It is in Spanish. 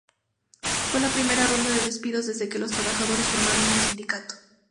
Fue la primera ronda de despidos desde que los trabajadores formaran un sindicato.